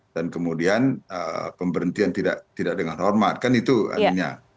dan kemudian pemberhentian tidak dengan hormat kan itu anginnya